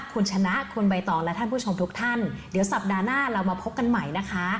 คุณชนะคุณใบตองและท่านผู้ชมทุกท่านเดี๋ยวสัปดาห์หน้าเรามาพบกันใหม่นะคะ